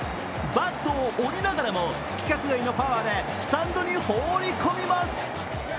バットを折りながらも規格外のパワーでスタンドに放り込みます。